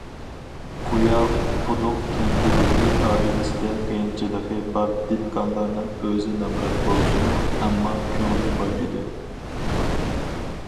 قىيا قۇدۇق كەنتىدىكى ئائىلىسىدە قىيىنچىلىقى بار دېھقانلارنىڭ ئۆزى نامرات بولسىمۇ، ئەمما كۆڭلى باي ئىدى.